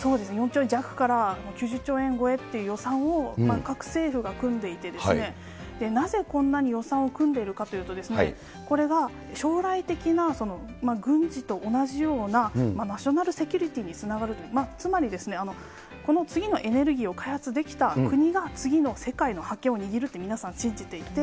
４兆円弱から９０兆円超えっていう予算を各政府が組んでいてですね、なぜこんなに予算を組んでいるかというと、これが将来的な軍事と同じようなナショナルセキュリティにつながるという、つまり、この次のエネルギーを開発できた国が、次の世界の覇権を握ると皆さん信じていて。